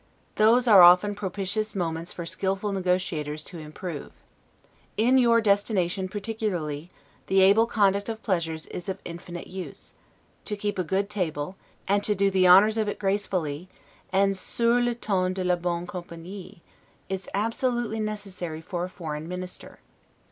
Those are often propitious moments for skillful negotiators to improve. In your destination particularly, the able conduct of pleasures is of infinite use; to keep a good table, and to do the honors of it gracefully, and 'sur le ton de la bonne compagnie', is absolutely necessary for a foreign minister.